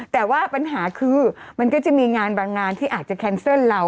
แต่ว่าปัญหาคือมันก็จะมีงานบางงานที่อาจจะแคนเซิลเรา